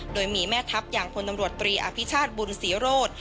โดยมีแม่ทัพอย่างพลตำรวจตรีอภิชาติบุญศรีโรธ